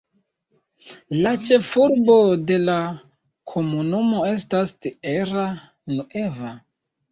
La ĉefurbo de la komunumo estas Tierra Nueva.